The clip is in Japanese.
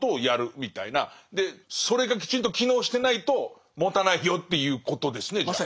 それがきちんと機能してないともたないよっていうことですねじゃあ。